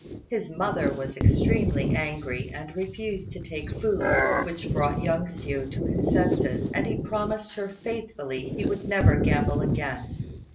His mother was extremely angry, and refused to take food, which brought young Hsiu to his senses, and he promised her faithfully he would never gamble again.